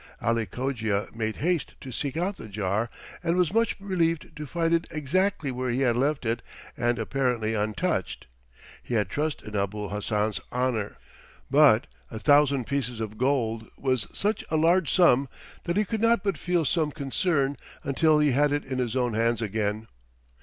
Ali Cogia made haste to seek out the jar and was much relieved to find it exactly where he had left it and apparently untouched. He had trust in Abul Hassan's honor, but a thousand pieces of gold was such a large sum that he could not but feel some concern until he had it in his own hands again.